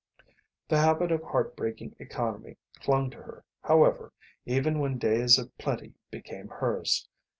The habit of heart breaking economy clung to her, however, even when days of plenty became hers.